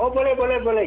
oh boleh boleh boleh